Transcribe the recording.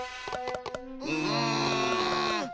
うん！